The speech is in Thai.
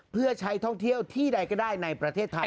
เพื่อใช้ท่องเที่ยวที่ใดก็ได้ในประเทศไทย